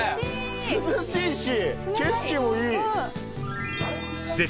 涼しいし景色もいい。